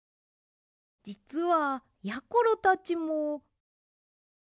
じつはやころたちも。